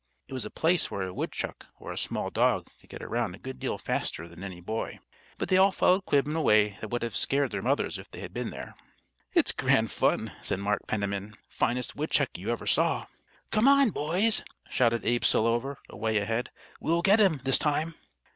It was a place where a woodchuck or a small dog could get around a good deal faster than any boy, but they all followed Quib in a way that would have scared their mothers if they had been there. "It's grand fun!" said Mart Penniman. "Finest woodchuck you ever saw!" "Come on, boys!" shouted Abe Selover, away ahead. "We'll get him, this time."